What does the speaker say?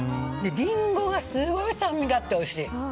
リンゴがすごい酸味があっておいしい。